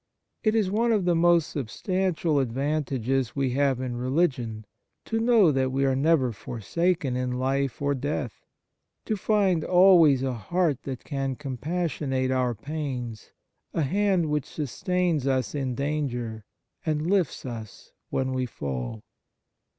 It is one of the most sub stantial advantages we have in religion to know that we are never forsaken in life or death ; to find always a heart that can com passionate our pains, a hand which sustains us in danger and lifts us when we fall.